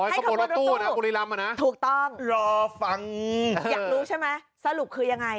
ให้ขบวนรถตู้ภูริลำอะนะรอฟังอยากรู้ใช่ไหมสรุปคือยังไง